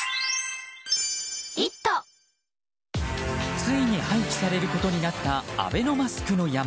ついに廃棄されることになったアベノマスクの山。